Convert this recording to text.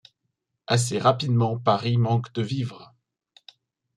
Assez rapidement, Paris manque de vivres.